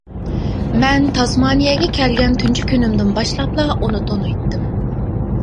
مەن تاسمانىيەگە كەلگەن تۇنجى كۈنۈمدىن باشلاپلا ئۇنى تونۇيتتىم.